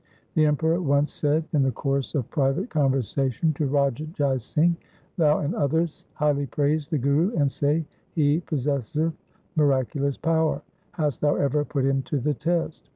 The Emperor once said in the course of private conversation to Raja Jai Singh, 'Thou and others highly praise the Guru and say he possesseth miracu lous power. Hast thou ever put him to the test